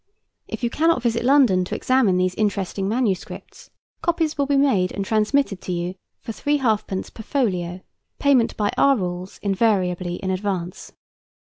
If you cannot visit London to examine these interesting manuscripts, copies will be made and transmitted you for three halfpence per folio, payment by our rules invariably in advance.